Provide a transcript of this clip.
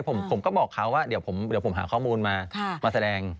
ผมก็บอกเขาว่าเดี๋ยวผมหาข้อมูลมามาแสดง